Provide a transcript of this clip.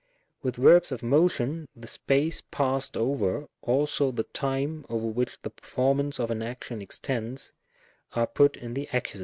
With verbs of motion, the space passed over, also the time over which the performance of an action extends, are put in the Ace.